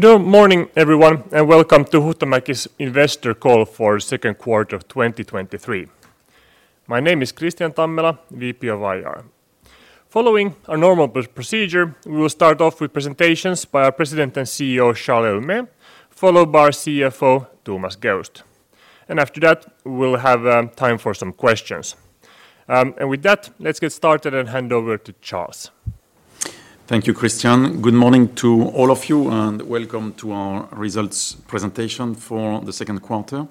Good morning, everyone, and welcome to Huhtamäki's investor call for second quarter of 2023. My name is Kristian Tammela, Vice President of Investor Relations. Following our normal procedure, we will start off with presentations by our President and CEO, Charles Héaulmé, followed by our CFO, Thomas Geust. After that, we'll have time for some questions. With that, let's get started and hand over to Charles. Thank you, Kristian. Good morning to all of you, welcome to our results presentation for the second quarter,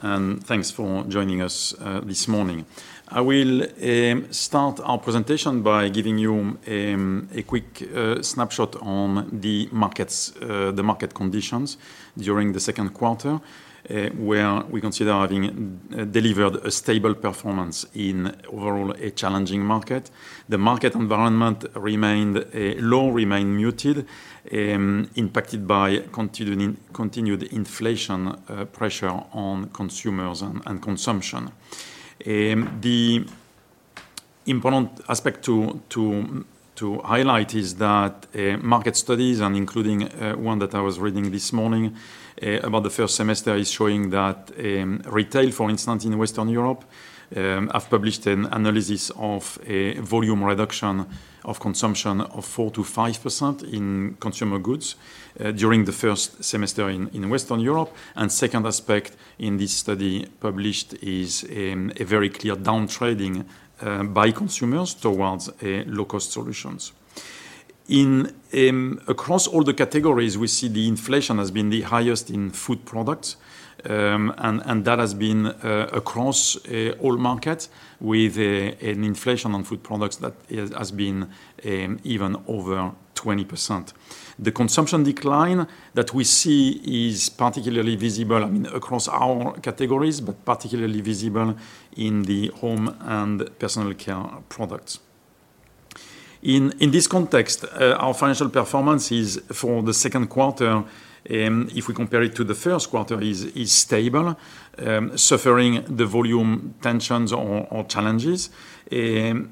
thanks for joining us this morning. I will start our presentation by giving you a quick snapshot on the markets, the market conditions during the second quarter, where we consider having delivered a stable performance in overall a challenging market. The market environment remained low, remained muted, impacted by continued inflation pressure on consumers and consumption. The important aspect to highlight is that market studies, and including one that I was reading this morning, about the first semester, is showing that retail, for instance, in Western Europe, have published an analysis of a volume reduction of consumption of 4%-5% in consumer goods during the first semester in Western Europe. Second aspect in this study published is a very clear downtrading by consumers towards low-cost solutions. In across all the categories, we see the inflation has been the highest in food products, and that has been across all markets with an inflation on food products that has been even over 20%. The consumption decline that we see is particularly visible, I mean, across all categories, but particularly visible in the home and personal care products. In this context, our financial performance is for the second quarter, if we compare it to the first quarter, is stable, suffering the volume tensions or challenges. We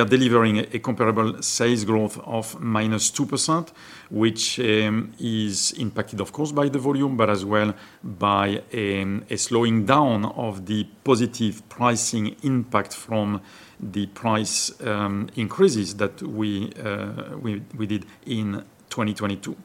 are delivering a comparable sales growth of -2%, which is impacted, of course, by the volume, but as well by a slowing down of the positive pricing impact from the price increases that we did in 2022.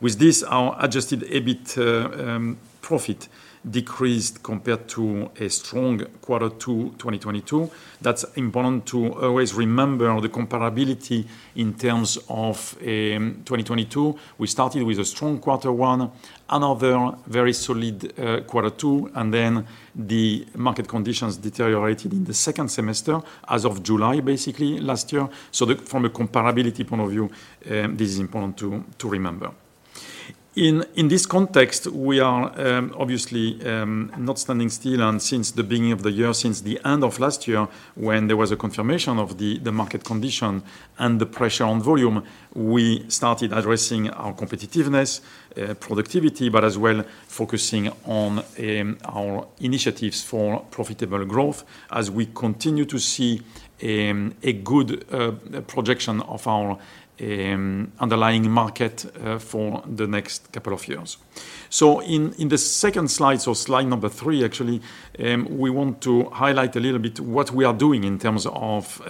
With this, our adjusted EBIT profit decreased compared to a strong quarter two 2022. That's important to always remember the comparability in terms of 2022. We started with a strong quarter one, another very solid quarter two. The market conditions deteriorated in the second semester, as of July, basically last year. From a comparability point of view, this is important to remember. In this context, we are obviously not standing still. Since the beginning of the year, since the end of last year, when there was a confirmation of the market condition and the pressure on volume, we started addressing our competitiveness, productivity, as well focusing on our initiatives for profitable growth as we continue to see a good projection of our underlying market for the next couple of years. In the second slide, so slide number 3, actually, we want to highlight a little bit what we are doing in terms of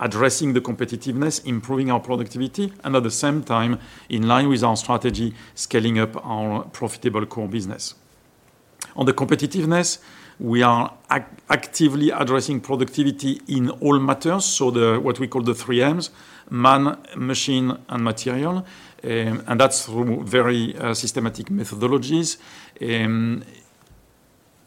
addressing the competitiveness, improving our productivity, and at the same time, in line with our strategy, scaling up our profitable core business. On the competitiveness, we are actively addressing productivity in all matters, so the what we call the three M's: Man, Machine, and Material. That's through very systematic methodologies.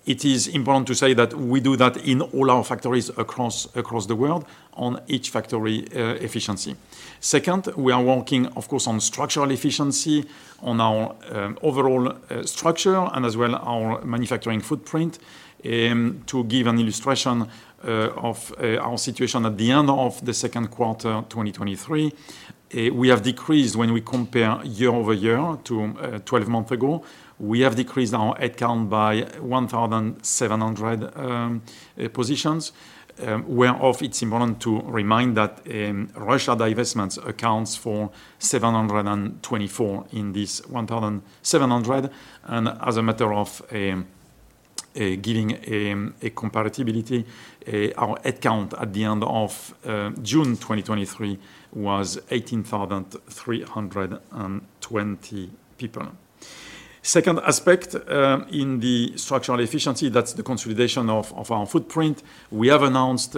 It is important to say that we do that in all our factories across the world, on each factory efficiency. Second, we are working, of course, on structural efficiency, on our overall structure and as well our manufacturing footprint. To give an illustration of our situation at the end of the second quarter, 2023, we have decreased when we compare year-over-year to 12 months ago, we have decreased our headcount by 1,700 positions. Where of it's important to remind that Russia divestments accounts for 724 in this 1,700. As a matter of giving a comparability, our headcount at the end of June 2023 was 18,320 people. Second aspect, in the structural efficiency, that's the consolidation of our footprint. We have announced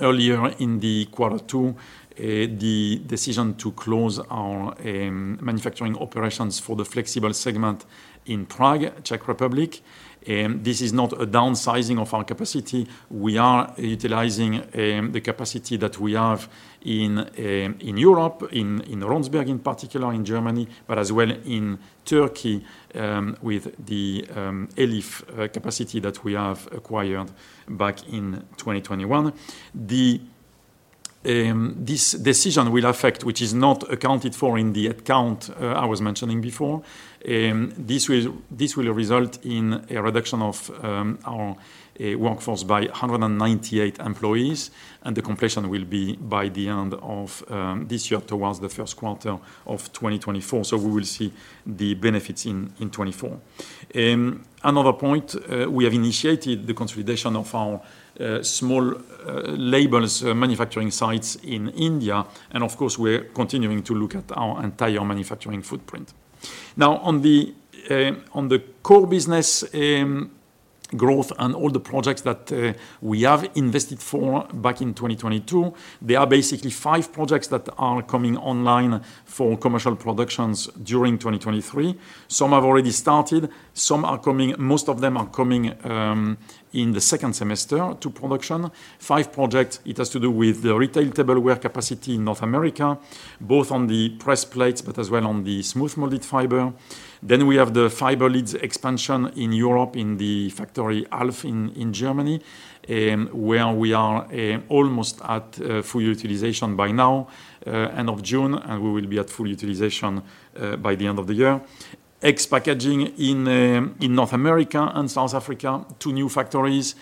earlier in the 2Q, the decision to close our manufacturing operations for the Flexibles segment in Prague, Czech Republic. This is not a downsizing of our capacity. We are utilizing the capacity that we have in Europe, in Ronsberg, in particular, in Germany, but as well in Turkey, with the Elif capacity that we have acquired back in 2021. This decision will affect, which is not accounted for in the head count I was mentioning before. This will result in a reduction of our workforce by 198 employees, and the completion will be by the end of this year, towards the first quarter of 2024. We will see the benefits in 2024. Another point, we have initiated the consolidation of our small labels manufacturing sites in India, and of course, we're continuing to look at our entire manufacturing footprint. Now, on the core business, growth and all the projects that we have invested for back in 2022, there are basically five projects that are coming online for commercial productions during 2023. Some have already started, some are coming, most of them are coming in the second semester to production. Five projects, it has to do with the retail tableware capacity in North America, both on the pressed plates but as well on the smooth molded fiber. We have the fiber lids expansion in Europe, in the factory Alf in Germany, where we are almost at full utilization by now, end of June, and we will be at full utilization by the end of the year. Egg packaging in North America and South Africa, two new factories.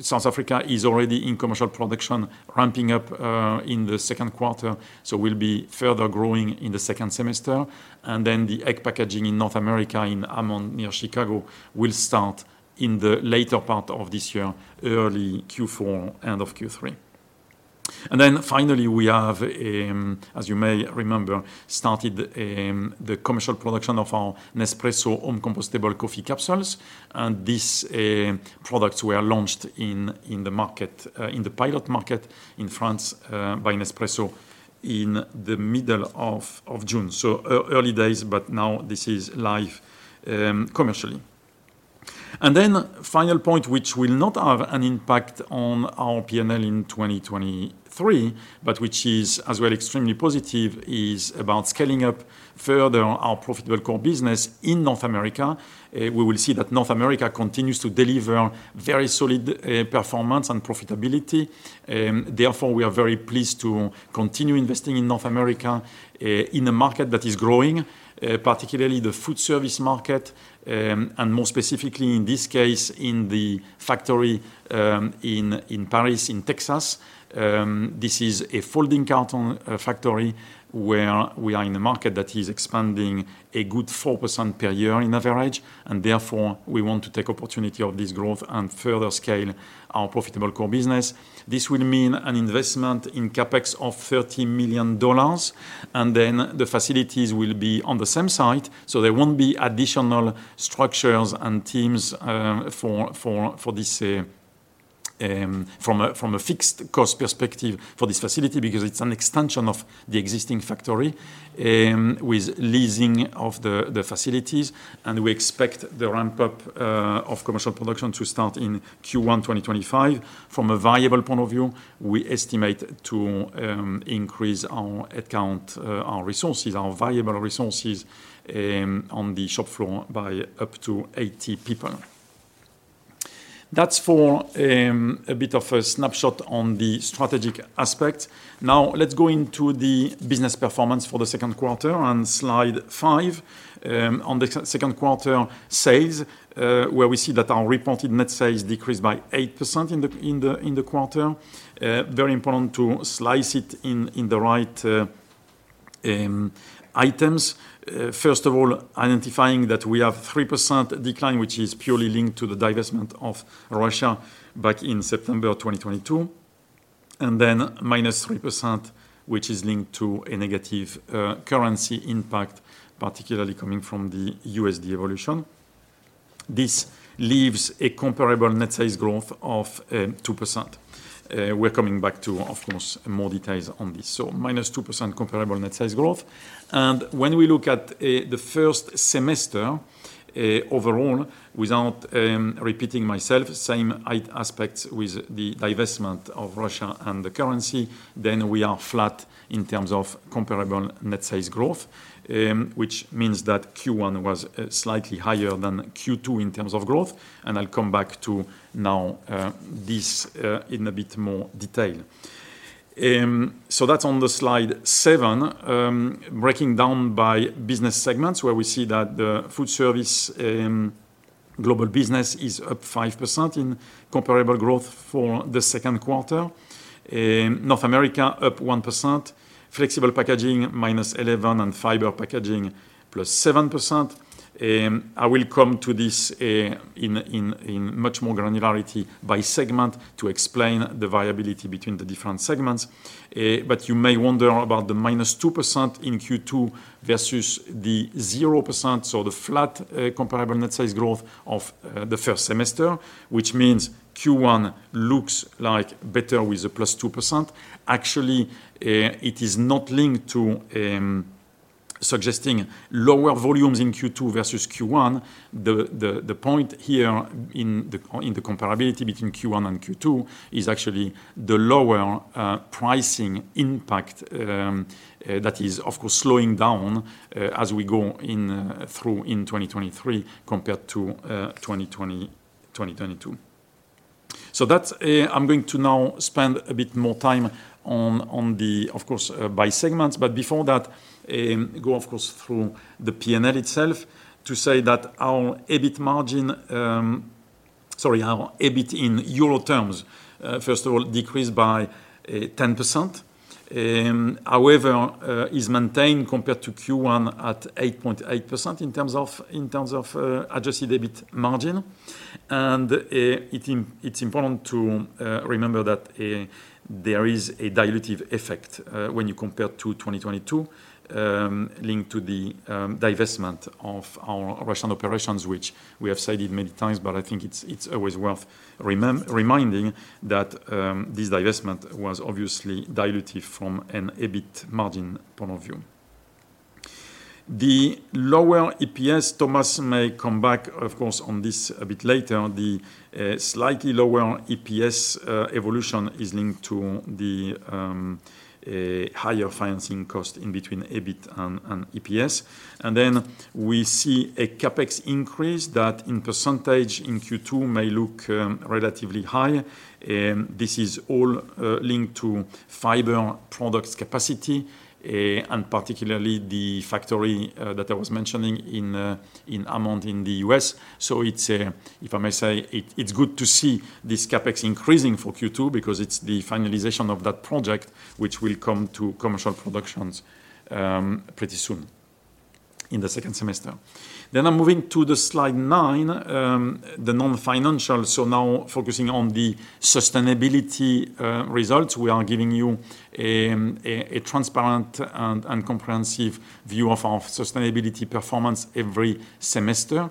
South Africa is already in commercial production, ramping up in the second quarter, so we'll be further growing in the second semester. The egg packaging in North America, in Hammond, near Chicago, will start in the later part of this year, early Q4, end of Q3. Finally, we have, as you may remember, started the commercial production of our Nespresso home compostable coffee capsules, and these products were launched in the market in the pilot market in France by Nespresso in the middle of June. Early days, but now this is live commercially. Final point, which will not have an impact on our P&L in 2023, but which is as well extremely positive, is about scaling up further our profitable core business in North America. We will see that North America continues to deliver very solid performance and profitability. We are very pleased to continue investing in North America in a market that is growing, particularly the foodservice market, and more specifically, in this case, in the factory in Paris, Texas. This is a folding carton factory where we are in a market that is expanding a good 4% per year on average, we want to take opportunity of this growth and further scale our profitable core business. This will mean an investment in CapEx of $30 million, the facilities will be on the same site, so there won't be additional structures and teams for this, from a fixed cost perspective for this facility, because it's an extension of the existing factory, with leasing of the facilities. We expect the ramp-up of commercial production to start in Q1 2025. From a variable point of view, we estimate to increase our head count, our resources, our variable resources on the shop floor by up to 80 people. That's for a bit of a snapshot on the strategic aspect. Now, let's go into the business performance for the second quarter on slide 5. On the second quarter sales, where we see that our reported net sales decreased by 8% in the quarter. Very important to slice it in the right items. First of all, identifying that we have 3% decline, which is purely linked to the divestment of Russia back in September of 2022, and then -3%, which is linked to a negative currency impact, particularly coming from the USD evolution. This leaves a comparable net sales growth of 2%. We're coming back to, of course, more details on this. -2% comparable net sales growth. When we look at the first semester overall, without repeating myself, same aspects with the divestment of Russia and the currency, then we are flat in terms of comparable net sales growth, which means that Q1 was slightly higher than Q2 in terms of growth. I'll come back to now this in a bit more detail. So that's on the slide 7, breaking down by business segments, where we see that the Foodservice global business is up 5% in comparable growth for the second quarter. North America, up 1%. Flexible Packaging, -11%, and Fiber Packaging, +7%. I will come to this in much more granularity by segment to explain the viability between the different segments. You may wonder about the -2% in Q2 versus the 0%, so the flat comparable net sales growth of the first semester, which means Q1 looks like better with a +2%. It is not linked to suggesting lower volumes in Q2 versus Q1. The point here in the comparability between Q1 and Q2 is actually the lower pricing impact that is, of course, slowing down as we go through in 2023 compared to 2022. That's I'm going to now spend a bit more time on the, of course, by segments. Before that, go, of course, through the P&L itself to say that our EBIT margin... Sorry, our EBIT in EUR terms, first of all, decreased by 10%. However, is maintained compared to Q1 at 8.8% in terms of adjusted EBIT margin. It's important to remember that there is a dilutive effect when you compare to 2022, linked to the divestment of our Russian operations, which we have said it many times, but I think it's always worth reminding that this divestment was obviously dilutive from an EBIT margin point of view. The lower EPS, Thomas may come back, of course, on this a bit later. The slightly lower EPS evolution is linked to the higher financing cost in between EBIT and EPS. We see a CapEx increase that in % in Q2 may look relatively high. This is all linked to fiber products capacity and particularly the factory that I was mentioning in Hammond, in the U.S. It's, if I may say, it's good to see this CapEx increasing for Q2 because it's the finalization of that project, which will come to commercial productions pretty soon in the second semester. I'm moving to the slide nine, the non-financial. Now focusing on the sustainability results. We are giving you a transparent and comprehensive view of our sustainability performance every semester.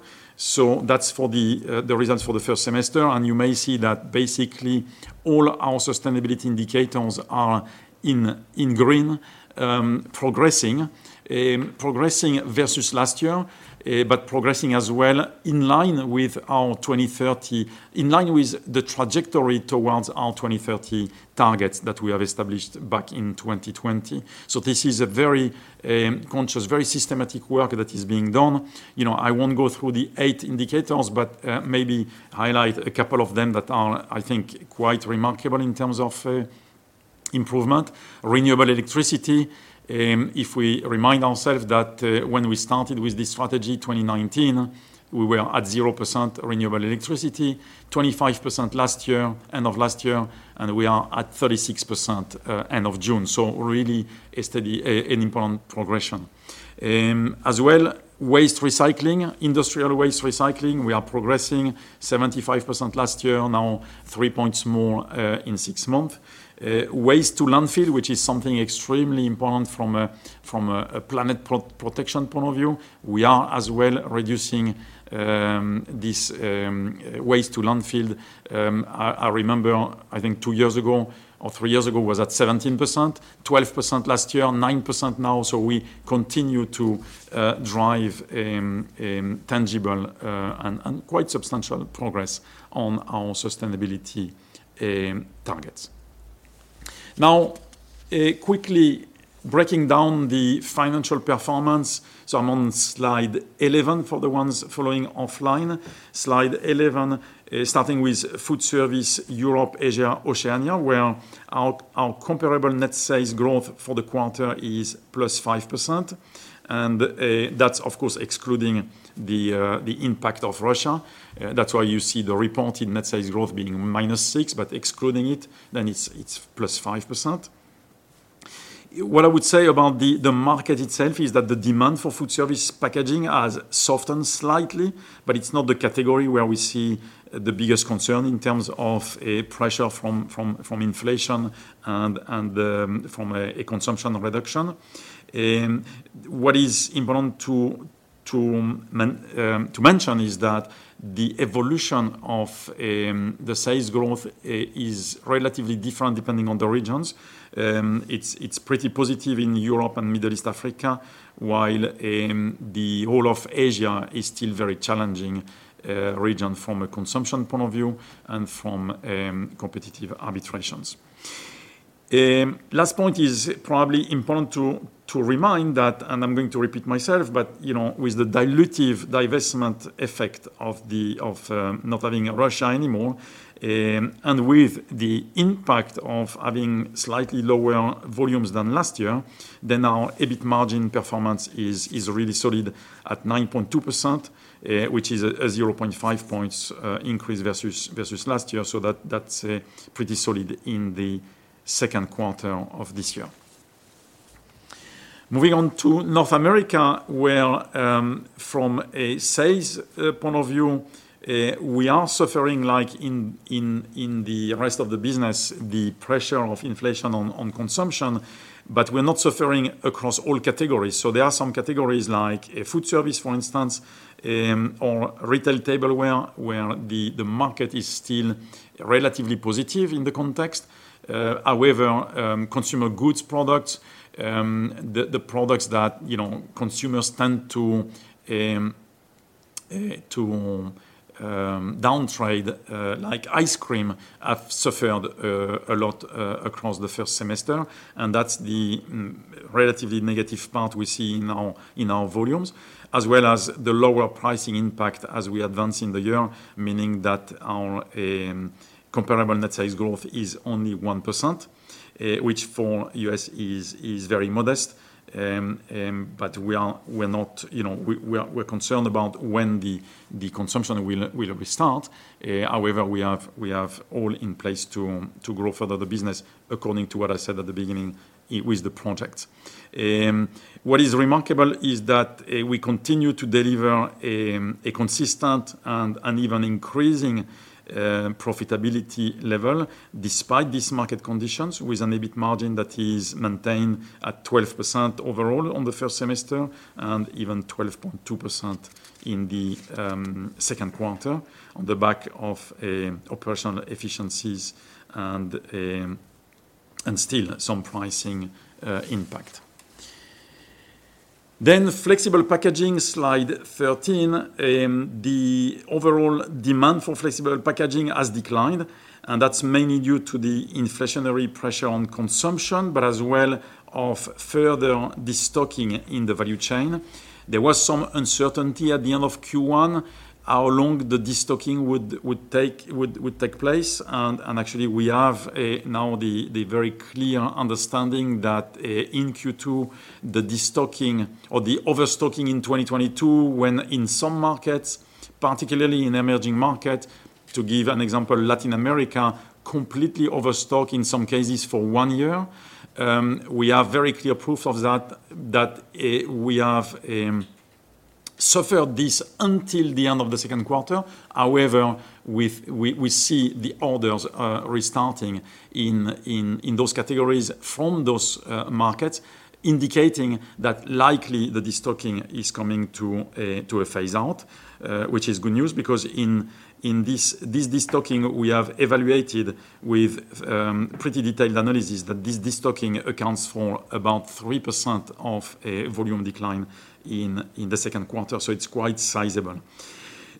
That's for the results for the first semester, and you may see that basically all our sustainability indicators are in green progressing. Progressing versus last year, but progressing as well in line with our 2030 targets that we have established back in 2020. This is a very conscious, very systematic work that is being done. You know, I won't go through the eight indicators, but maybe highlight a couple of them that are, I think, quite remarkable in terms of improvement. Renewable electricity, if we remind ourselves that when we started with this strategy, 2019, we were at 0% renewable electricity, 25% last year, end of last year, and we are at 36% end of June. Really a steady, an important progression. As well, waste recycling, industrial waste recycling, we are progressing 75% last year, now three points more in six months. Waste to landfill, which is something extremely important from a planet protection point of view. We are as well reducing this waste to landfill. I remember, I think two years ago or three years ago, was at 17%, 12% last year, 9% now. We continue to drive tangible and quite substantial progress on our sustainability targets. Now, quickly breaking down the financial performance. I'm on slide 11 for the ones following offline. Slide 11, starting with Foodservice Europe-Asia-Oceania, where our comparable net sales growth for the quarter is +5%, that's of course, excluding the impact of Russia. That's why you see the reported net sales growth being -6%. Excluding it's +5%. What I would say about the market itself is that the demand for foodservice packaging has softened slightly, it's not the category where we see the biggest concern in terms of a pressure from inflation and from a consumption reduction. What is important to mention is that the evolution of the sales growth is relatively different depending on the regions. It's pretty positive in Europe and Middle East Africa, while the whole of Asia is still very challenging region from a consumption point of view and from competitive arbitrations. Last point is probably important to remind that, and I'm going to repeat myself, but, you know, with the dilutive divestment effect of not having Russia anymore, and with the impact of having slightly lower volumes than last year, then our EBIT margin performance is really solid at 9.2%, which is a 0.5 points increase versus last year. That's pretty solid in the second quarter of this year. Moving on to North America, where from a sales point of view, we are suffering like in the rest of the business, the pressure of inflation on consumption, but we're not suffering across all categories. There are some categories like foodservice, for instance, or retail tableware, where the market is still relatively positive in the context. However, consumer goods products, the products that, you know, consumers tend to downtrade, like ice cream, have suffered a lot across the first semester, and that's the relatively negative part we see in our volumes, as well as the lower pricing impact as we advance in the year, meaning that our comparable net sales growth is only 1%, which for U.S. is very modest. We are, we're not, you know, we're concerned about when the consumption will restart. However, we have all in place to grow further the business according to what I said at the beginning, with the project. What is remarkable is that we continue to deliver a consistent and even increasing profitability level despite these market conditions, with an EBIT margin that is maintained at 12% overall on the first semester and even 12.2% in the second quarter, on the back of operational efficiencies and still some pricing impact. Flexible Packaging, slide 13. The overall demand for Flexible Packaging has declined, and that's mainly due to the inflationary pressure on consumption, but as well of further destocking in the value chain. There was some uncertainty at the end of Q1, how long the destocking would take place. Actually, we have now the very clear understanding that in Q2, the destocking or the overstocking in 2022, when in some markets, particularly in emerging market, to give an example, Latin America, completely overstocked in some cases for one year. We have very clear proof of that we have suffered this until the end of the second quarter. However, we see the orders restarting in those categories from those markets, indicating that likely the destocking is coming to a phase out. Which is good news because in this destocking, we have evaluated with pretty detailed analysis that this destocking accounts for about 3% of a volume decline in the second quarter. It's quite sizable.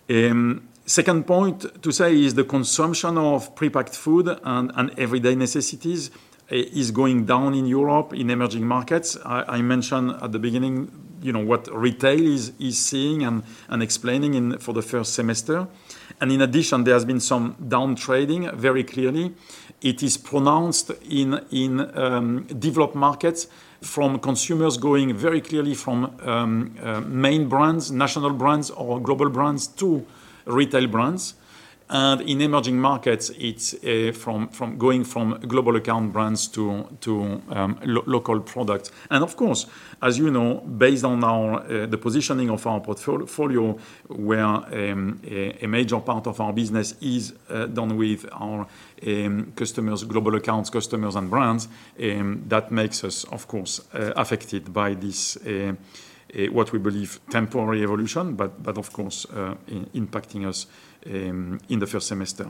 Second point to say is the consumption of prepacked food and everyday necessities is going down in Europe, in emerging markets. I mentioned at the beginning, you know, what retail is seeing and explaining in for the first semester. In addition, there has been some downtrading very clearly. It is pronounced in developed markets, from consumers going very clearly from main brands, national brands, or global brands to retail brands. In emerging markets, it's from going from global account brands to local product. Of course, as you know, based on our the positioning of our portfolio, where a major part of our business is done with our customers, global accounts, customers, and brands, that makes us, of course, affected by this what we believe temporary evolution, but of course, impacting us in the first semester.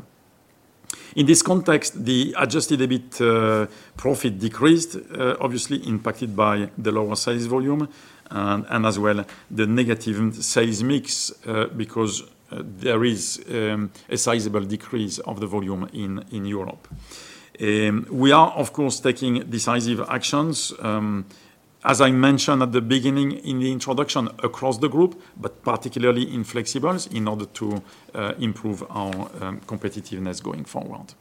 In this context, the adjusted EBIT profit decreased, obviously impacted by the lower sales volume and as well the negative sales mix, because there is a sizable decrease of the volume in Europe. We are, of course, taking decisive actions, as I mentioned at the beginning in the introduction across the group, but particularly in Flexibles, in order to improve our competitiveness going forward.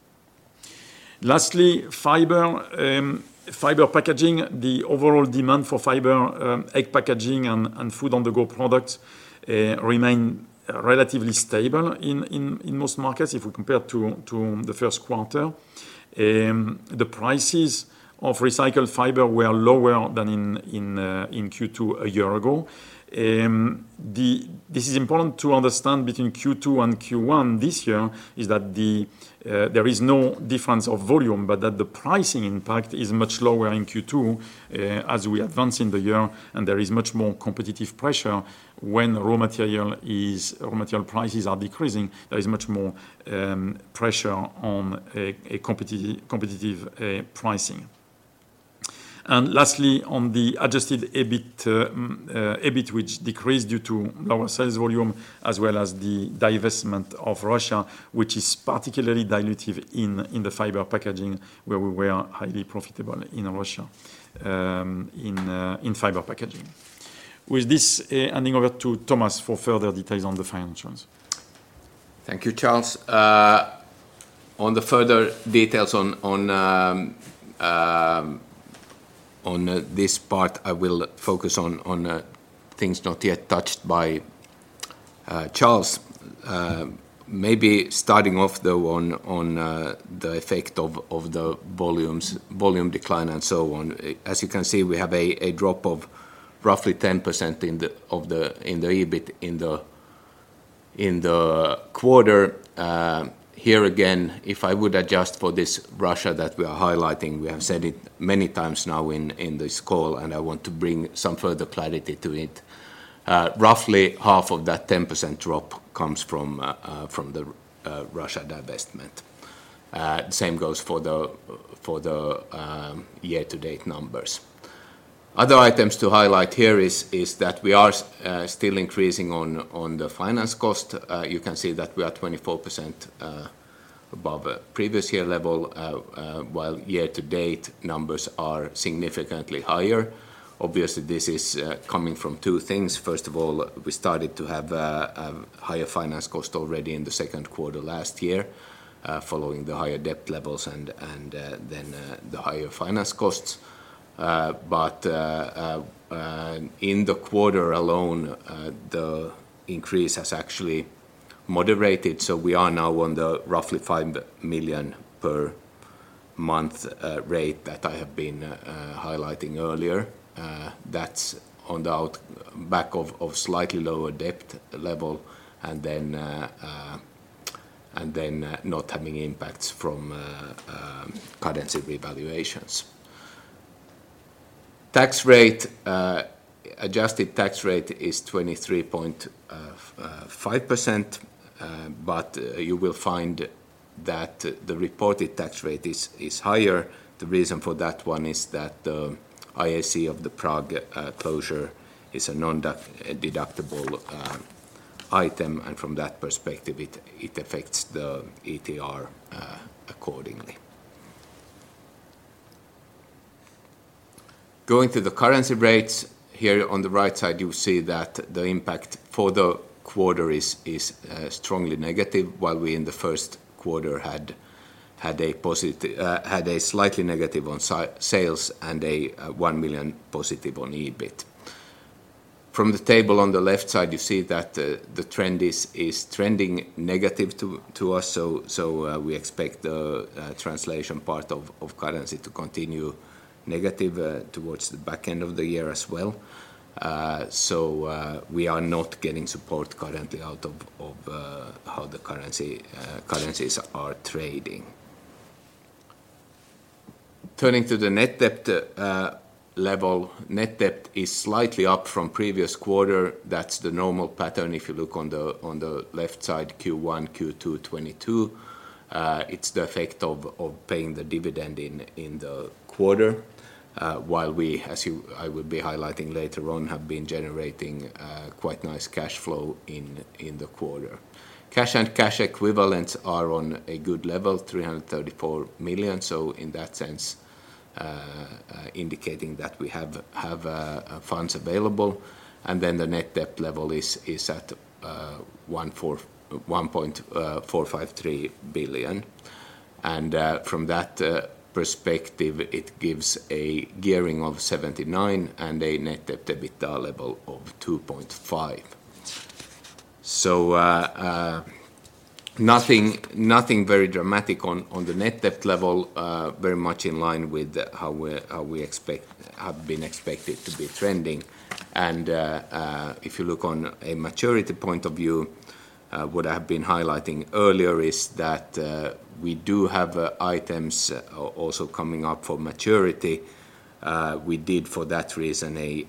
Lastly, Fiber Packaging. The overall demand for fiber egg packaging and food-on-the-go products remain relatively stable in most markets if we compare to the first quarter. The prices of recycled fiber were lower than in Q2 a year ago. This is important to understand between Q2 and Q1 this year, is that there is no difference of volume, but that the pricing impact is much lower in Q2 as we advance in the year and there is much more competitive pressure. When raw material prices are decreasing, there is much more pressure on a competitive pricing. Lastly, on the adjusted EBIT, which decreased due to lower sales volume, as well as the divestment of Russia, which is particularly dilutive in the Fiber Packaging, where we were highly profitable in Russia, in Fiber Packaging. This, handing over to Thomas for further details on the financials. Thank you, Charles. On the further details on this part, I will focus on things not yet touched by Charles. Maybe starting off, though, on the effect of the volumes, volume decline, and so on. As you can see, we have a drop of roughly 10% in the EBIT in the quarter. Here again, if I would adjust for this Russia that we are highlighting, we have said it many times now in this call, and I want to bring some further clarity to it. Roughly half of that 10% drop comes from the Russia divestment. Same goes for the year-to-date numbers. Other items to highlight here is that we are still increasing on the finance cost. You can see that we are 24% above previous year level while year to date numbers are significantly higher. Obviously, this is coming from two things. First of all, we started to have a higher finance cost already in the second quarter last year, following the higher debt levels and then the higher finance costs. In the quarter alone, the increase has actually moderated, so we are now on the roughly 5 million per month rate that I have been highlighting earlier. That's on the back of slightly lower debt level, and then not having impacts from currency revaluations. Tax rate, adjusted tax rate is 23.5%, you will find that the reported tax rate is higher. The reason for that one is that the IAC of the Prague closure is a non-deductible item, from that perspective, it affects the ETR accordingly. Going to the currency rates, here on the right side, you see that the impact for the quarter is strongly negative, while we in the first quarter had a slightly negative on sales and a 1 million positive on EBIT. From the table on the left side, you see that the trend is trending negative to us, we expect the translation part of currency to continue negative towards the back end of the year as well. We are not getting support currently out of how the currencies are trading. Turning to the net debt level, net debt is slightly up from previous quarter. That's the normal pattern. If you look on the left side, Q1, Q2 2022, it's the effect of paying the dividend in the quarter, while we, as I will be highlighting later on, have been generating quite nice cash flow in the quarter. Cash and cash equivalents are on a good level, 334 million. In that sense, indicating that we have funds available, and then the net debt level is at 1.453 billion. From that perspective, it gives a gearing of 79 and a net debt EBITDA level of 2.5. Nothing very dramatic on the net debt level, very much in line with how we have been expected to be trending. If you look on a maturity point of view, what I have been highlighting earlier is that we do have items also coming up for maturity. We did, for that reason, a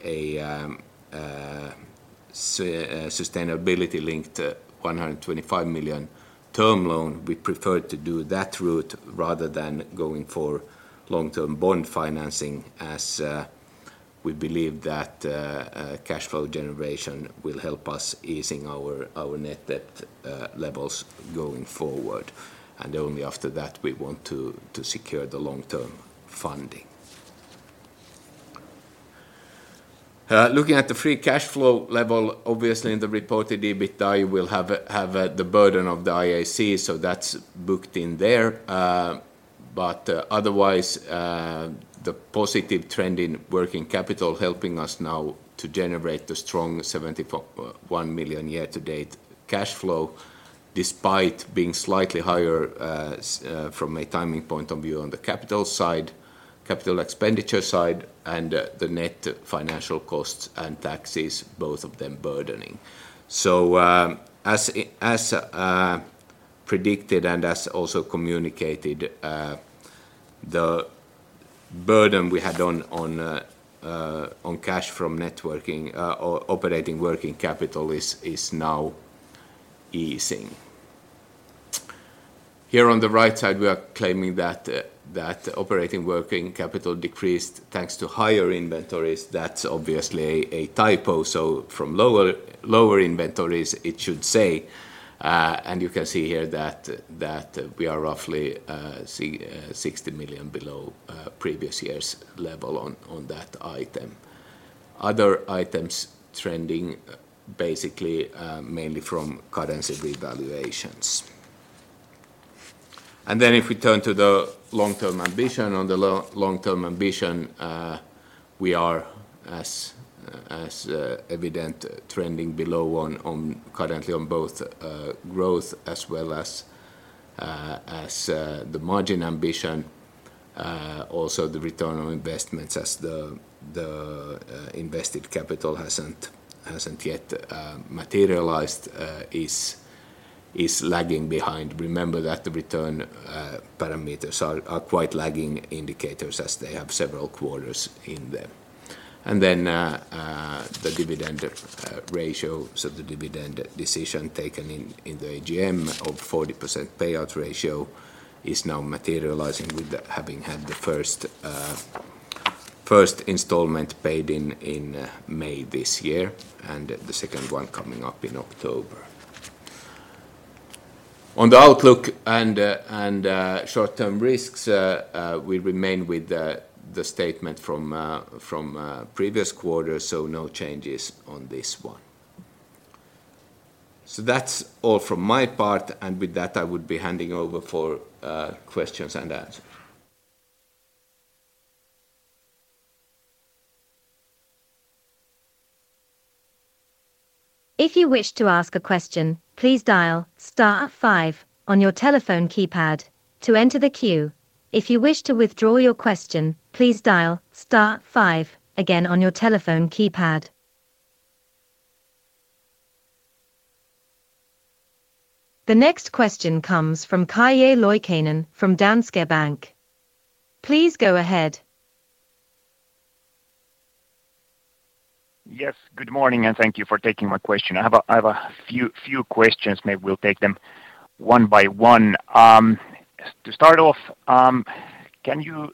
sustainability-linked 125 million term loan. We preferred to do that route rather than going for long-term bond financing, as we believe that cash flow generation will help us easing our net debt levels going forward. Only after that, we want to secure the long-term funding. Looking at the free cash flow level, obviously, in the reported EBITDA, you will have the burden of the IAC, so that's booked in there. Otherwise, the positive trend in working capital helping us now to generate the strong 71 million year-to-date cash flow, despite being slightly higher from a timing point of view on the capital side, capital expenditure side, and the net financial costs and taxes, both of them burdening. As predicted and as also communicated, the burden we had on cash from net working or operating working capital is now easing. Here on the right side, we are claiming that operating working capital decreased, thanks to higher inventories. That's obviously a typo, so from lower inventories, it should say. You can see here that we are roughly 60 million below previous year's level on that item. Other items trending basically, mainly from currency revaluations. If we turn to the long-term ambition, on the long-term ambition, we are, as evident, trending below currently on both growth as well as the margin ambition. Also the return on investment as the invested capital hasn't yet materialized, is lagging behind. Remember that the return parameters are quite lagging indicators, as they have several quarters in them.... the dividend ratio, so the dividend decision taken in the AGM of 40% payout ratio is now materializing with the having had the first installment paid in May this year, and the second one coming up in October. On the outlook and short-term risks, we remain with the statement from previous quarters, so no changes on this one. That's all from my part, and with that, I would be handing over for questions and answers. If you wish to ask a question, please dial star five on your telephone keypad to enter the queue. If you wish to withdraw your question, please dial star five again on your telephone keypad. The next question comes from Calle Loikkanen from Danske Bank. Please go ahead. Yes, good morning, and thank you for taking my question. I have a few questions. Maybe we'll take them one by one. To start off, can you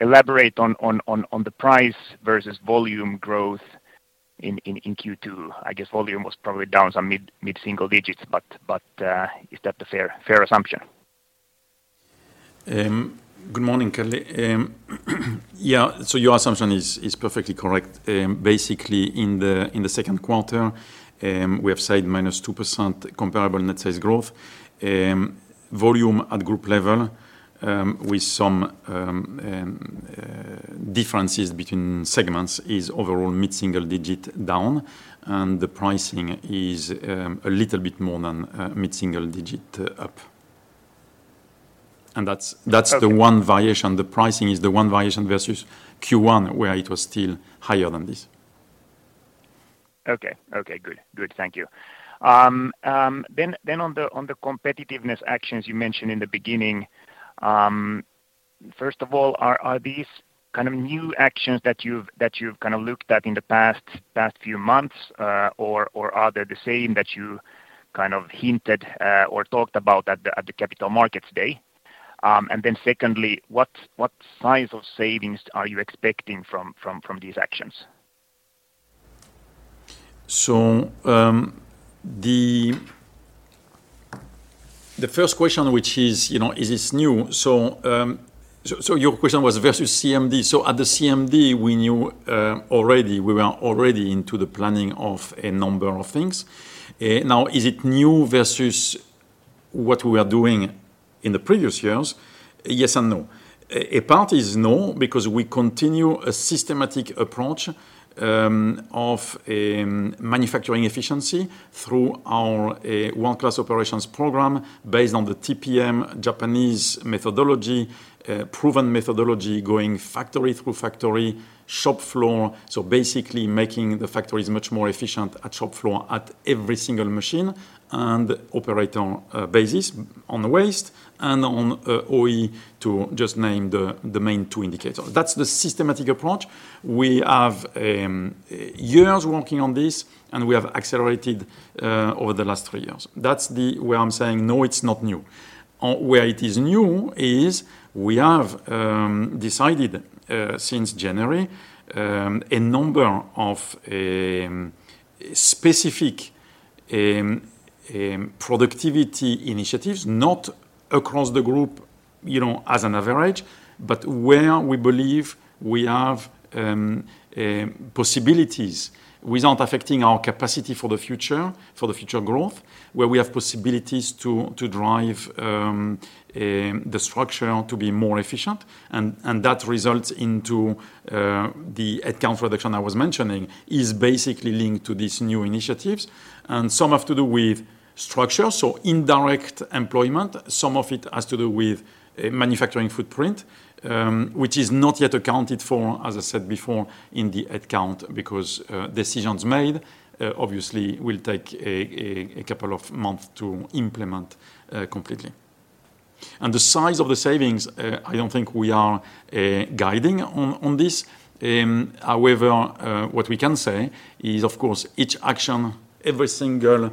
elaborate on the price versus volume growth in Q2? I guess volume was probably down some mid single digits, but is that the fair assumption? Good morning, Calle. Your assumption is perfectly correct. Basically, in the second quarter, we have said -2% comparable net sales growth. Volume at group level, with some differences between segments is overall mid-single digit down, the pricing is a little bit more than mid-single digit up. Okay. That's the one variation. The pricing is the one variation versus Q1, where it was still higher than this. Okay. Good, thank you. On the competitiveness actions you mentioned in the beginning, first of all, are these kind of new actions that you've kind of looked at in the past few months, or are they the same that you kind of hinted or talked about at the Capital Markets Day? Secondly, what size of savings are you expecting from these actions? The first question, which is, you know, is this new? Your question was versus CMD. At the CMD, we knew already, we were already into the planning of a number of things. Now, is it new versus what we were doing in the previous years? Yes and no. A part is no, because we continue a systematic approach of manufacturing efficiency through our world-class operational performance based on the TPM Japanese methodology, proven methodology, going factory through factory, shop floor. Basically making the factories much more efficient at shop floor, at every single machine and operator basis on the waste and on OE, to just name the main two indicators. That's the systematic approach. We have years working on this, and we have accelerated over the last three years. That's the. Where I'm saying no, it's not new. Where it is new is we have decided since January a number of specific productivity initiatives, not across the group, you know, as an average, but where we believe we have possibilities without affecting our capacity for the future, for the future growth. Where we have possibilities to drive the structure to be more efficient, and that results into the head count reduction I was mentioning, is basically linked to these new initiatives. Some have to do with structure, so indirect employment. Some of it has to do with manufacturing footprint, which is not yet accounted for, as I said before, in the head count, because decisions made obviously will take a couple of months to implement completely. The size of the savings, I don't think we are guiding on this. However, what we can say is, of course, each action, every single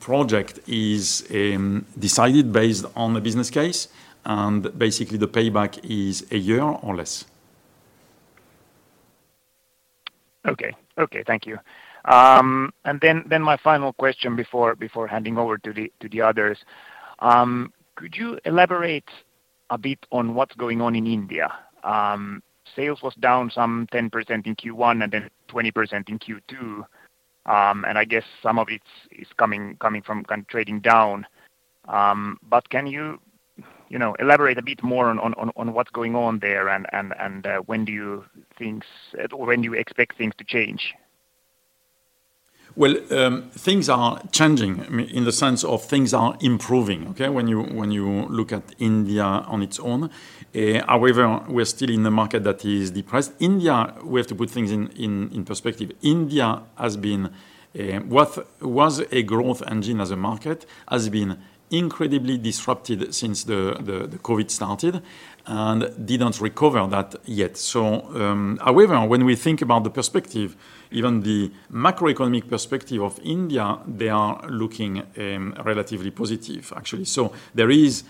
project is decided based on a business case, and basically the payback is a year or less. Okay. Okay, thank you. Then my final question before handing over to the others. Could you elaborate a bit on what's going on in India? Sales was down some 10% in Q1 and then 20% in Q2. I guess some of it's, is coming from kind of trading down. Can you know, elaborate a bit more on what's going on there, and when do you think... Or when do you expect things to change? Well, things are changing, I mean, in the sense of things are improving, okay? When you look at India on its own. However, we're still in a market that is depressed. India, we have to put things in perspective. India has been. What was a growth engine as a market, has been incredibly disrupted since the COVID started and didn't recover that yet. However, when we think about the perspective, even the macroeconomic perspective of India, they are looking relatively positive, actually. There is.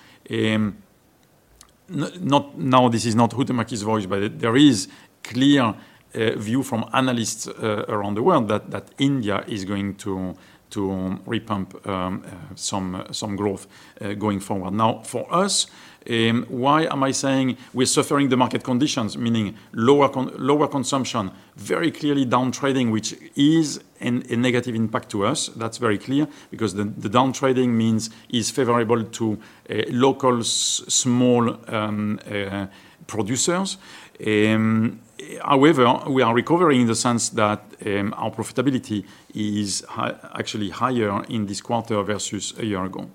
Not, now, this is not Huhtamäki's voice, but there is clear view from analysts around the world that India is going to repump some growth going forward. Now, for us, why am I saying we're suffering the market conditions, meaning lower consumption, very clearly downtrading, which is a negative impact to us? That's very clear, because the downtrading means is favorable to local small producers. However, we are recovering in the sense that our profitability is actually higher in this quarter versus a year ago.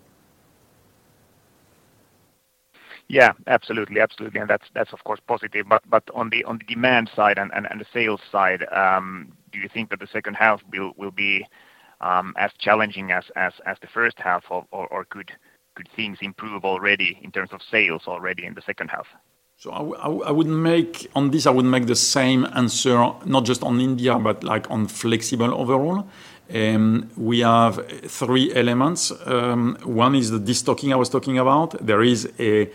Yeah, absolutely. Absolutely, and that's of course positive. On the demand side and the sales side, do you think that the second half will be as challenging as the first half, or could things improve already in terms of sales already in the second half? I would make on this, I would make the same answer, not just on India, but like on Flexible Packaging overall. We have three elements. One is the destocking I was talking about. There is a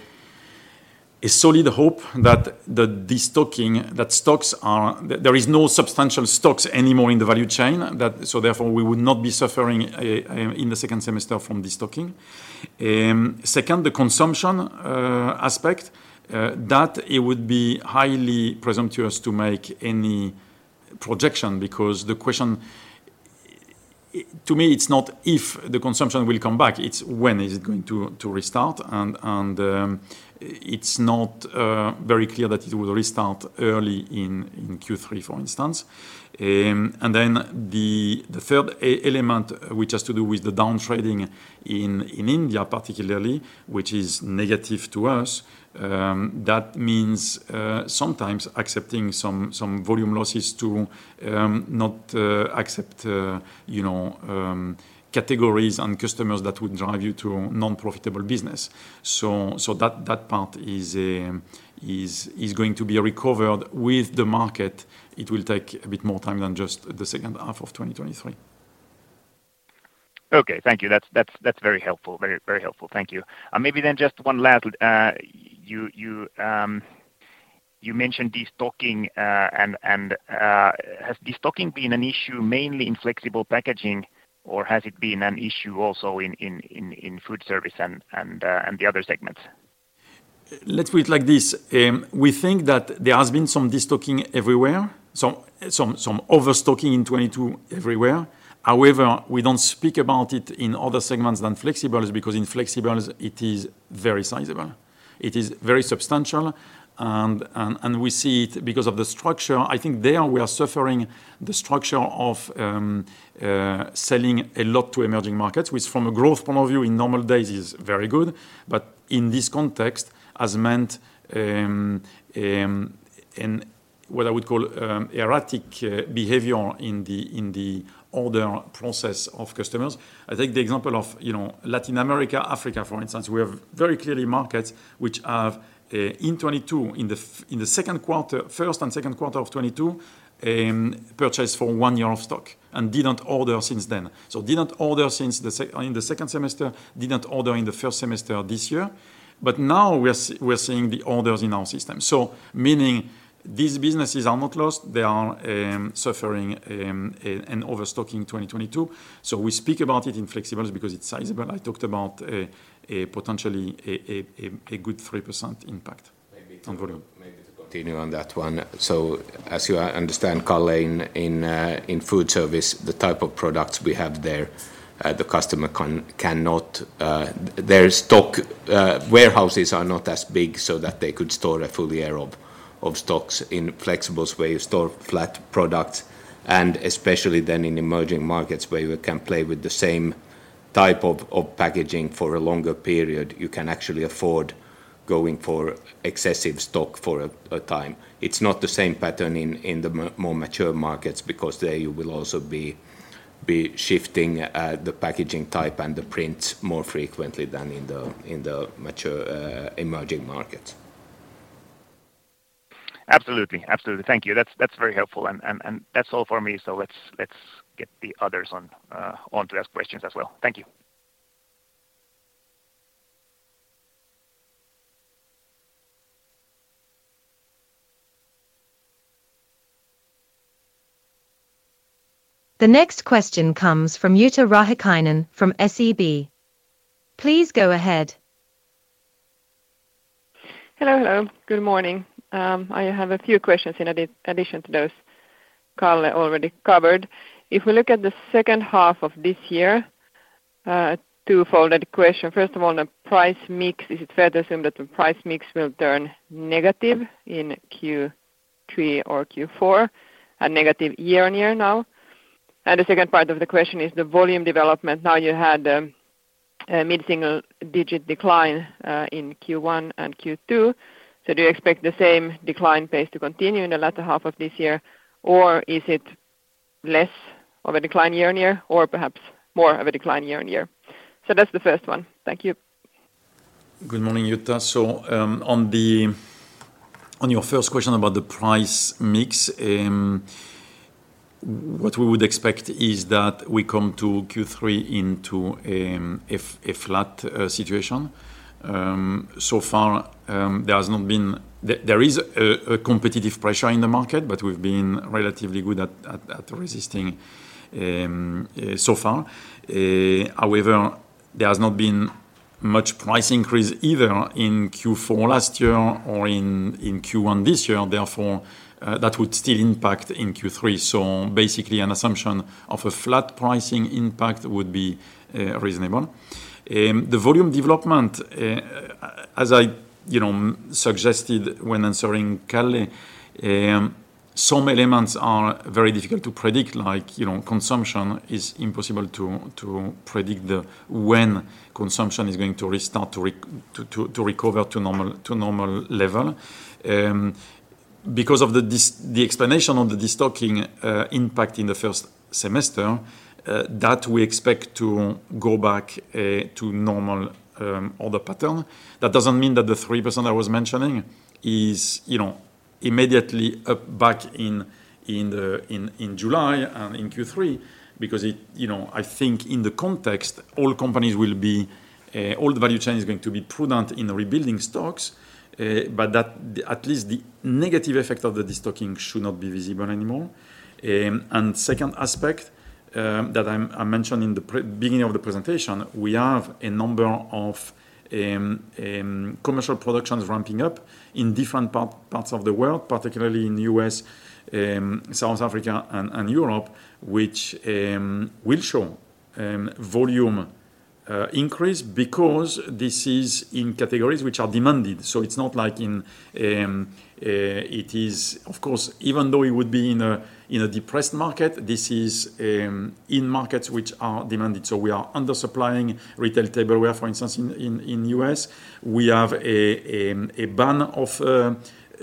solid hope that the destocking, there is no substantial stocks anymore in the value chain, that so therefore, we would not be suffering in the second semester from destocking. Second, the consumption aspect that it would be highly presumptuous to make any projection, because the question to me, it's not if the consumption will come back, it's when is it going to restart, and, it's not very clear that it will restart early in Q3, for instance. Then the third element, which has to do with the downtrading in India particularly, which is negative to us, that means sometimes accepting some volume losses to not accept, you know, categories and customers that would drive you to non-profitable business. That part is going to be recovered with the market. It will take a bit more time than just the second half of 2023. Okay, thank you. That's very helpful. Very helpful. Thank you. Maybe just one last, you mentioned destocking, and has destocking been an issue mainly in Flexible Packaging, or has it been an issue also in foodservice and the other segments? Let's put it like this, we think that there has been some destocking everywhere, some overstocking in 2022 everywhere. However, we don't speak about it in other segments than flexibles, because in flexibles it is very sizable. It is very substantial, and we see it because of the structure. I think there we are suffering the structure of selling a lot to emerging markets, which from a growth point of view in normal days is very good, but in this context, has meant in what I would call erratic behavior in the order process of customers. I take the example of, you know, Latin America, Africa, for instance, we have very clearly markets which have, in 2022, in the second quarter, first and second quarter of 2022, purchased for one year of stock and didn't order since then. Didn't order since the second semester, didn't order in the first semester this year. Now we are seeing the orders in our system. Meaning these businesses are not lost, they are suffering an overstocking in 2022. We speak about it in flexibles because it's sizable. I talked about a potentially good 3% impact on volume. Maybe to continue on that one. As you understand, Calle, in foodservice, the type of products we have there, the customer can, cannot. Their stock warehouses are not as big so that they could store a full year of stocks in flexibles where you store flat products, and especially then in emerging markets, where you can play with the same type of packaging for a longer period, you can actually afford going for excessive stock for a time. It's not the same pattern in more mature markets, because there you will also be shifting the packaging type and the print more frequently than in the mature emerging markets. Absolutely. Absolutely. Thank you. That's very helpful. That's all for me, let's get the others on to ask questions as well. Thank you. The next question comes from Jutta Rahikainen from SEB. Please go ahead. Hello, hello. Good morning. I have a few questions in addition to those Calle already covered. If we look at the second half of this year, twofold question. First of all, the price mix, is it fair to assume that the price mix will turn negative in Q3 or Q4, a negative year-on-year now? The second part of the question is the volume development. You had a mid-single-digit decline in Q1 and Q2. Do you expect the same decline pace to continue in the latter half of this year, or is it less of a decline year-on-year, or perhaps more of a decline year-on-year? That's the first one. Thank you. Good morning, Jutta. On your first question about the price mix, what we would expect is that we come to Q3 into a flat situation. So far, there is a competitive pressure in the market, but we've been relatively good at resisting so far. However, there has not been much price increase either in Q4 last year or in Q1 this year, therefore, that would still impact in Q3. Basically, an assumption of a flat pricing impact would be reasonable. The volume development, as I, you know, suggested when answering Calle, some elements are very difficult to predict, like, you know, consumption is impossible to predict the, when consumption is going to restart to recover to normal level. Because of the explanation of the destocking impact in the first semester, that we expect to go back to normal order pattern. That doesn't mean that the 3% I was mentioning is, you know, immediately up back in the, in July and in Q3, because it, you know, I think in the context, all companies will be, all the value chain is going to be prudent in rebuilding stocks. That the, at least the negative effect of the destocking should not be visible anymore. ing us today. My name is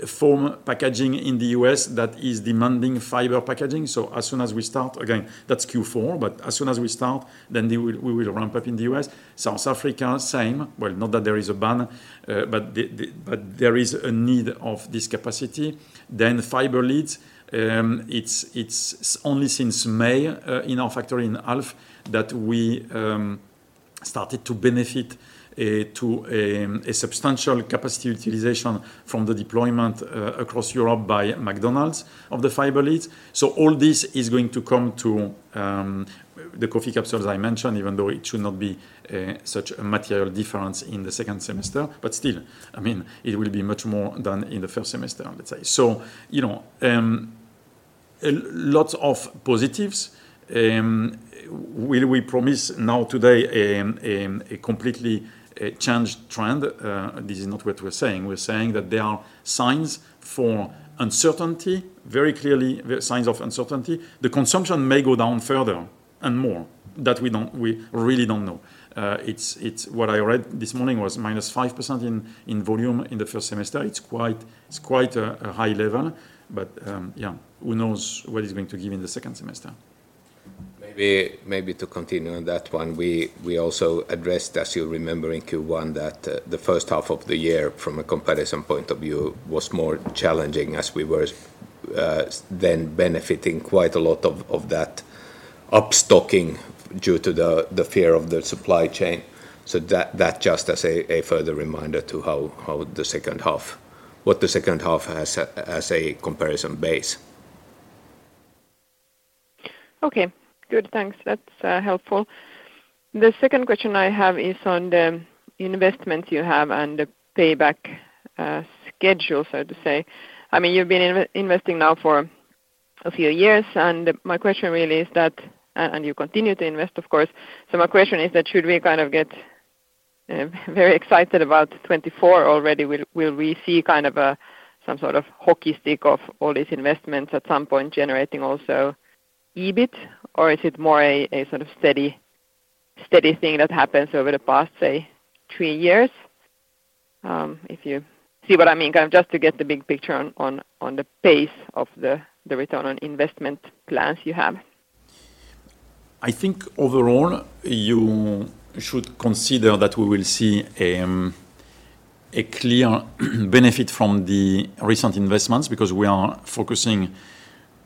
then provide a more detailed financial review, covering our sales performance, profitability, and cash flow. Finally, Charles will conclude with an outlook for the remainder of the year and our strategic priorities. We will then open the floor for your questions. Please note that this call is being recorded and a replay will be available on our website. With that, I will hand over to Charles to begin the presentation. Charles, please Well, not that there is a ban, but there is a need of this capacity. Fiber lids. It's only since May in our factory in Alf that we started to benefit to a substantial capacity utilization from the deployment across Europe by McDonald's of the fiber lids. All this is going to come to the coffee capsules I mentioned, even though it should not be such a material difference in the second semester. Still, I mean, it will be much more than in the first semester, let's say. You know, lots of positives, will we promise now today a completely changed trend? This is not what we're saying. We're saying that there are signs for uncertainty, very clearly, signs of uncertainty. The consumption may go down further and more. That we really don't know. It's what I read this morning was -5% in volume in the first semester. It's quite a high level. Yeah, who knows what it's going to give in the second semester? Maybe to continue on that one, we also addressed, as you remember, in Q1, that the first half of the year from a comparison point of view, was more challenging as we were then benefiting quite a lot of that upstocking due to the fear of the supply chain. That just as a further reminder to how what the second half as a comparison base. Okay, good. Thanks. That's helpful. The second question I have is on the investment you have and the payback schedule, so to say. I mean, you've been investing now for a few years, and my question really is that, and you continue to invest, of course. My question is that, should we kind of get very excited about 2024 already? Will we see kind of some sort of hockey stick of all these investments at some point generating also EBIT? Or is it more a sort of steady thing that happens over the past, say, three years? If you see what I mean, kind of just to get the big picture on the pace of the return on investment plans you have. I think overall, you should consider that we will see, a clear benefit from the recent investments because we are focusing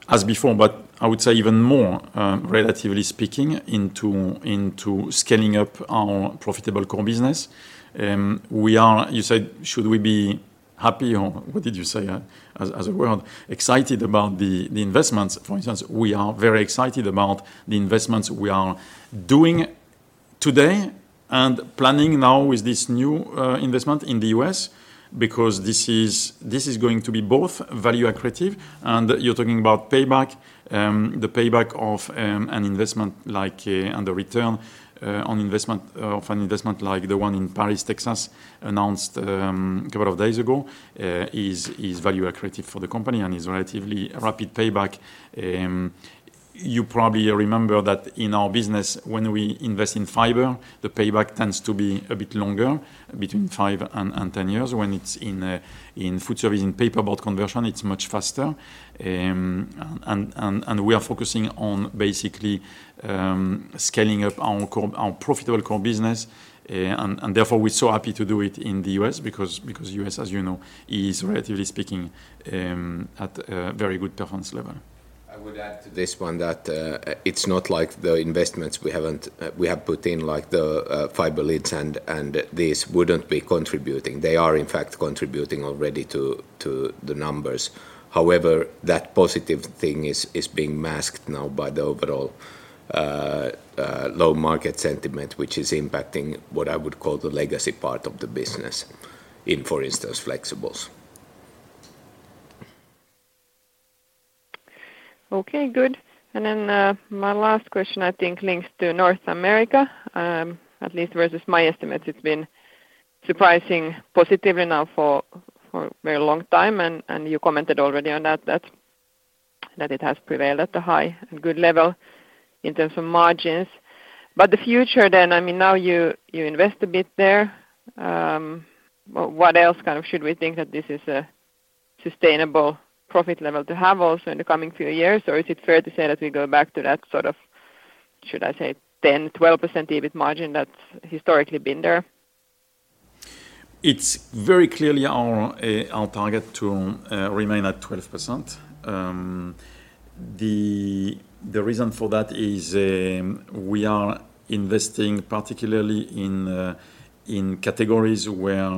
as before, but I would say even more, relatively speaking, into scaling up our profitable core business. We are You said, should we be happy or what did you say, as a word? Excited about the investments. For instance, we are very excited about the investments we are doing today and planning now with this new investment in the US, because this is going to be both value accretive and you're talking about payback. The payback of an investment like and the return on investment, of an investment like the one in Paris, Texas, announced a couple of days ago, is value accretive for the company and is relatively rapid payback. You probably remember that in our business, when we invest in fiber, the payback tends to be a bit longer, between five and 10 years. When it's in foodservice, in paperboard conversion, it's much faster. We are focusing on basically, scaling up our core, our profitable core business, and therefore, we're so happy to do it in the U.S. because U.S., as you know, is, relatively speaking, at a very good performance level. I would add to this one that it's not like the investments we haven't, we have put in, like the fiber lids and these wouldn't be contributing. They are, in fact, contributing already to the numbers. That positive thing is being masked now by the overall low market sentiment, which is impacting what I would call the legacy part of the business in, for instance, Flexibles. Okay, good. Then, my last question, I think, links to North America, at least versus my estimates. It's been surprising positively now for a very long time, and you commented already on that it has prevailed at a high and good level in terms of margins. The future then, I mean, now you invest a bit there, what else kind of should we think that this is a sustainable profit level to have also in the coming few years? Or is it fair to say that we go back to that sort of, should I say, 10%-12% EBIT margin that's historically been there? It's very clearly our target to remain at 12%. The reason for that is we are investing particularly in categories where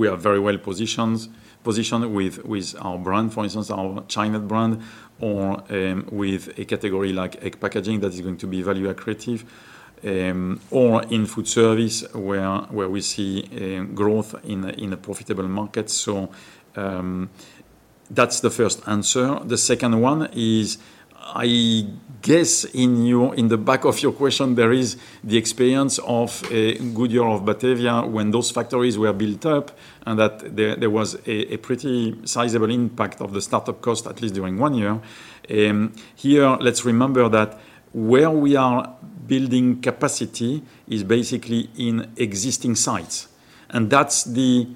we are very well positioned with our brand, for instance, our Chinet brand, or with a category like egg packaging, that is going to be value accretive, or in foodservice, where we see growth in a profitable market. That's the first answer. The second one is, I guess in the back of your question, there is the experience of a good year of Batavia when those factories were built up, and that there was a pretty sizable impact of the startup cost, at least during one year. Here, let's remember that where we are building capacity is basically in existing sites, and that's the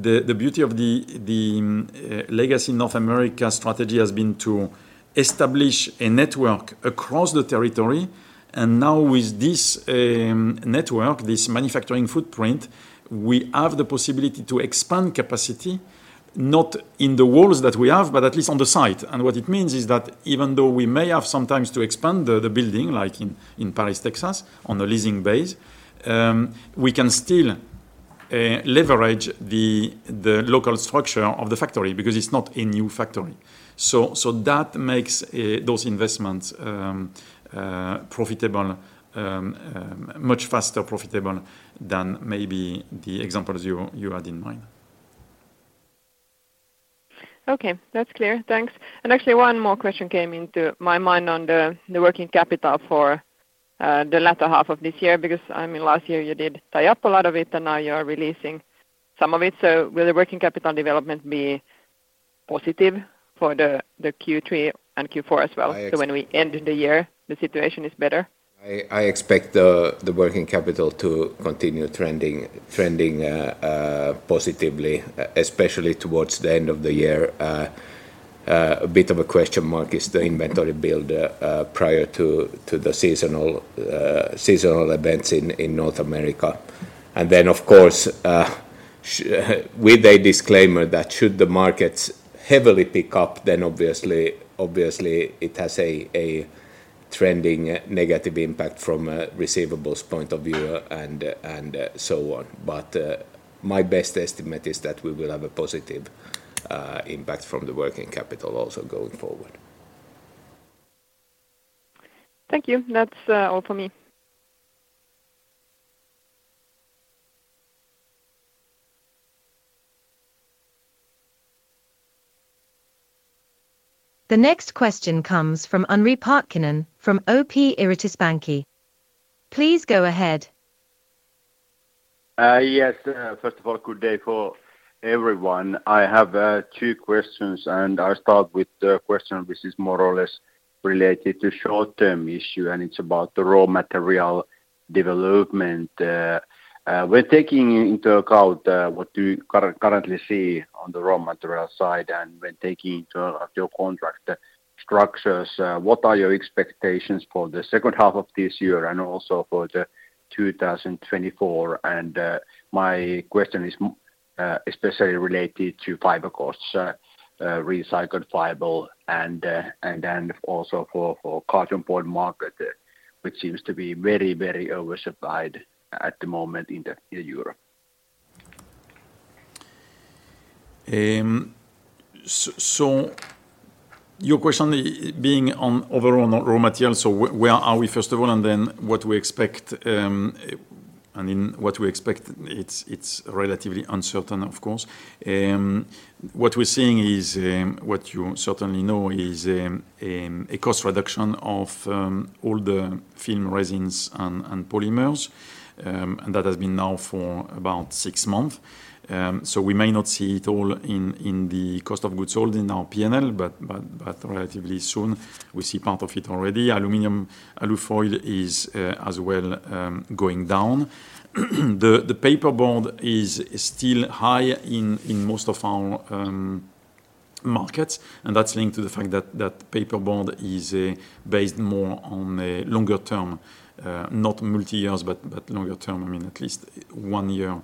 beauty of the legacy North America strategy has been to establish a network across the territory. Now, with this network, this manufacturing footprint, we have the possibility to expand capacity, not in the walls that we have, but at least on the site. What it means is that even though we may have sometimes to expand the building, like in Paris, Texas, on a leasing base, we can still leverage the local structure of the factory because it's not a new factory. That makes those investments profitable much faster profitable than maybe the examples you had in mind. Okay, that's clear. Thanks. Actually, one more question came into my mind on the working capital for the latter half of this year, because, I mean, last year you did tie up a lot of it, and now you are releasing some of it. Will the working capital development be positive for the Q3 and Q4 as well? When we end the year, the situation is better. I expect the working capital to continue trending positively, especially towards the end of the year. A bit of a question mark is the inventory build prior to the seasonal events in North America. Of course, with a disclaimer that should the markets heavily pick up, then obviously, it has a trending negative impact from a receivables point of view and so on. My best estimate is that we will have a positive impact from the working capital also going forward. Thank you. That's all for me. The next question comes from Henri Parkkinen from OP Corporate Bank. Please go ahead. Yes. First of all, good day for everyone. I have two questions, and I'll start with the question which is more or less related to short-term issue, and it's about the raw material development. When taking into account what do you currently see on the raw material side and when taking into account your contract structures, what are your expectations for the second half of this year and also for 2024? My question is especially related to fiber costs, recycled fiber, and then also for carton board market, which seems to be very oversupplied at the moment in Europe. Your question being on overall on raw materials, where are we first of all, and then what we expect, and in what we expect, it's relatively uncertain, of course. What we're seeing is, what you certainly know is, a cost reduction of all the film resins and polymers, and that has been now for about six months. We may not see it all in the cost of goods sold in our P&L, but relatively soon, we see part of it already. Aluminum, alufoil is as well going down. The paperboard is still high in most of our markets. That's linked to the fact that paperboard is based more on a longer term, not multi years, but longer term, I mean, at least one year,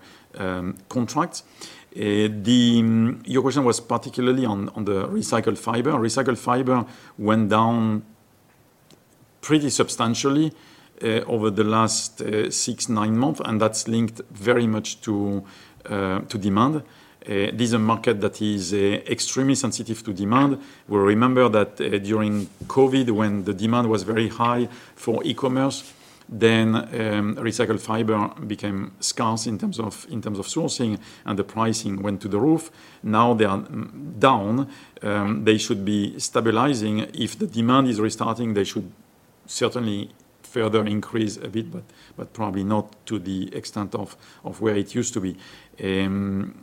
contract. Your question was particularly on the recycled fiber. Recycled fiber went down pretty substantially over the last six, nine months. That's linked very much to demand. This is a market that is extremely sensitive to demand. We remember that during COVID, when the demand was very high for e-commerce, then recycled fiber became scarce in terms of sourcing. The pricing went through the roof. Now they are down, they should be stabilizing. If the demand is restarting, they should certainly further increase a bit, but probably not to the extent of where it used to be.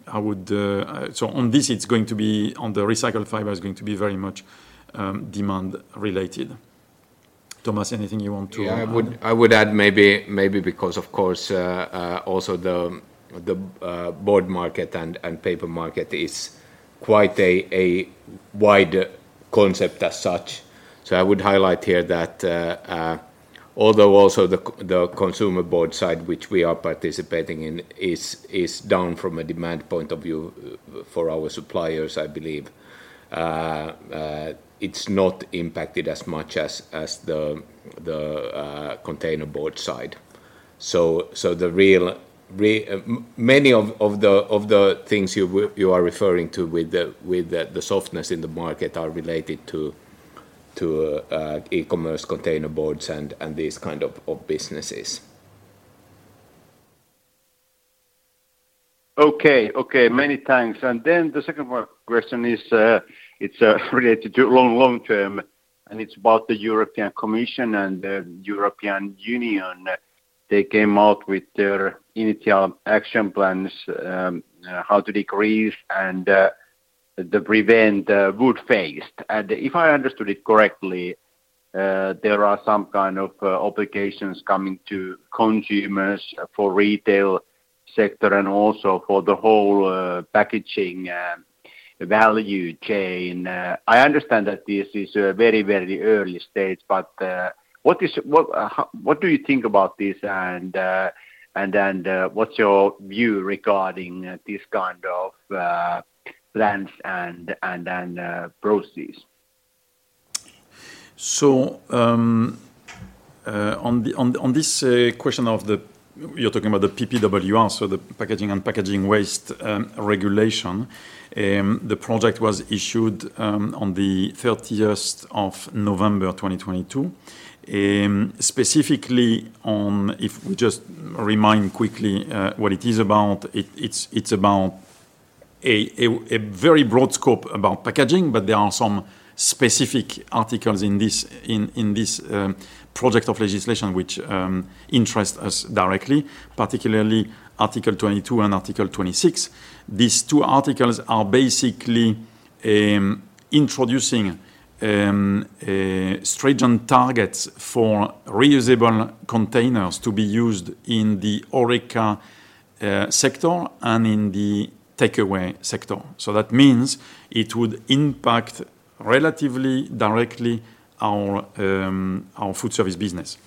I would. On this, it's going to be, on the recycled fiber, it's going to be very much, demand related. Thomas, anything you want to? Yeah, I would, I would add maybe because, of course, also the, board market and paper market is quite a wide concept as such. I would highlight here that, although also the consumer board side, which we are participating in, is down from a demand point of view for our suppliers, I believe, it's not impacted as much as the, containerboard side. Many of the, of the things you are referring to with the, with the softness in the market are related to, e-commerce containerboards and these kind of businesses. Okay, many thanks. The second one question is, it's related to long term, and it's about the European Commission and the European Union. They came out with their initial action plans, how to decrease and prevent packaging waste. If I understood it correctly, there are some kind of obligations coming to consumers for retail sector and also for the whole packaging value chain. I understand that this is a very early stage, but what do you think about this, and then what's your view regarding these kind of plans and processes? On this question of the PPWR, the Packaging and Packaging Waste Regulation, the project was issued on the 30th of November 2022. Specifically on, if we just remind quickly what it is about, it's about a very broad scope about packaging, but there are some specific articles in this project of legislation which interest us directly, particularly Article 22 and Article 26. These two articles are basically introducing stringent targets for reusable containers to be used in the HoReCa sector and in the takeaway sector. That means it would impact relatively directly our foodservice business.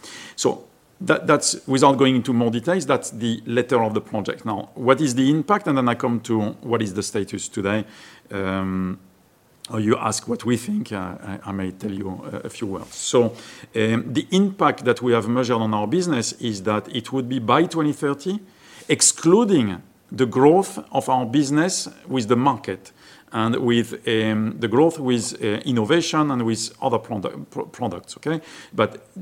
That's Without going into more details, that's the letter of the project. What is the impact? I come to what is the status today. You ask what we think, I may tell you a few words. The impact that we have measured on our business is that it would be by 2030, excluding the growth of our business with the market and with the growth with innovation and with other products, okay?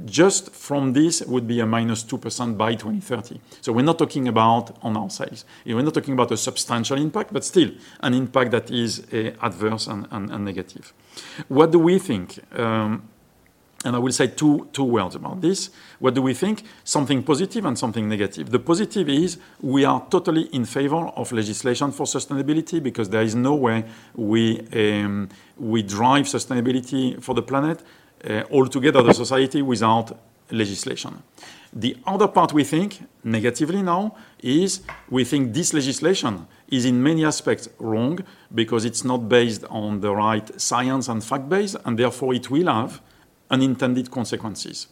Just from this would be a -2% by 2030. We're not talking about on our sales. We're not talking about a substantial impact, but still an impact that is adverse and negative. What do we think? I will say two words about this. What do we think? Something positive and something negative. The positive is, we are totally in favor of legislation for sustainability because there is no way we drive sustainability for the planet altogether as a society, without legislation. The other part we think, negatively now, is we think this legislation is in many aspects wrong because it's not based on the right science and fact base, and therefore it will have unintended consequences.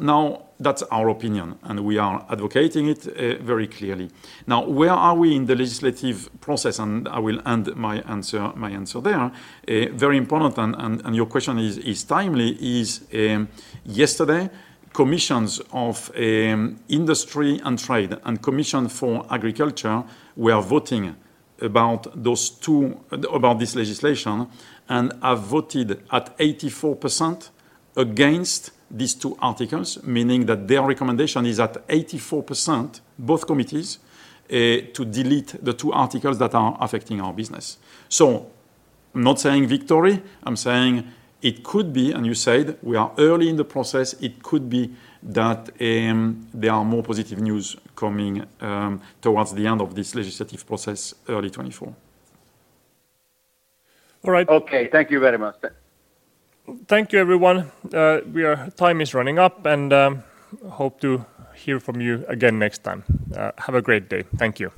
Now, that's our opinion, and we are advocating it very clearly. Now, where are we in the legislative process? I will end my answer there. very important, and your question is timely, is yesterday, Commissions of Industry and Trade and Commission for Agriculture were voting about those two about this legislation, and have voted at 84% against these two articles, meaning that their recommendation is at 84%, both committees, to delete the two articles that are affecting our business. I'm not saying victory, I'm saying it could be, and you said we are early in the process, it could be that there are more positive news coming towards the end of this legislative process, early 2024. All right. Okay. Thank you very much. Thank you, everyone. Time is running up. Hope to hear from you again next time. Have a great day. Thank you.